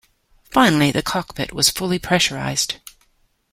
Finally, the cockpit was fully pressurized.